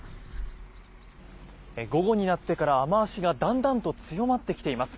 午後になってから雨脚がだんだんと強まってきています。